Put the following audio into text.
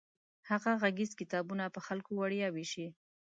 هغه غږیز کتابونه په خلکو وړیا ویشي.